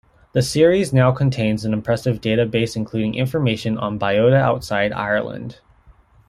The series now contains an impressive data-base including information on biota outside Ireland.